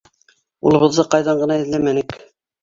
Улыбыҙҙы ҡайҙан ғына эҙләмәнек.